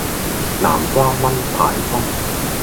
南瓜炆排骨